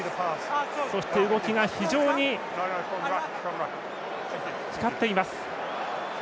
そして動きが非常に光っています。